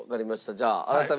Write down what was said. じゃあ改めて。